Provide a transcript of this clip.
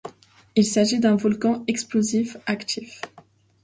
Il s'agit d'un volcan explosif actif.